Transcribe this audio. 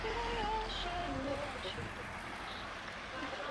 柿拟白轮盾介壳虫为盾介壳虫科拟白轮盾介壳虫属下的一个种。